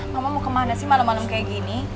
mama mau kemana sih malem malem kayak gini